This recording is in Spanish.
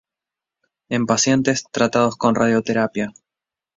En pacientes tratados con radioterapia.